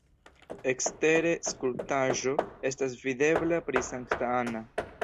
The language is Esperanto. Ekstere skulptaĵo estas videbla pri Sankta Anna.